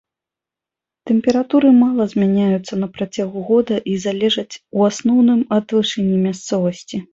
Тэмпературы мала змяняюцца на працягу года і залежаць у асноўным ад вышыні мясцовасці.